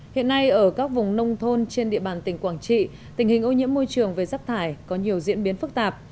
hiện nay ở các vùng nông thôn trên địa bàn tỉnh quảng trị tình hình ô nhiễm môi trường về rác thải có nhiều diễn biến phức tạp